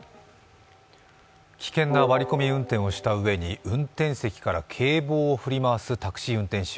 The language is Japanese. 危険な割り込み運転をしたうえに運転席から警棒を振り回すタクシー運転手。